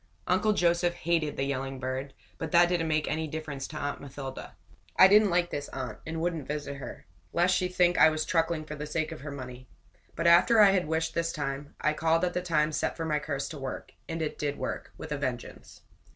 Uncle Joseph hated the yelling bird, but that didn't make any difference to Aunt Mathilda. I didn't like this aunt, and wouldn't visit her, lest she think I was truckling for the sake of her money; but after I had wished this time, I called at the time set for my curse to work; and it did work with a vengeance.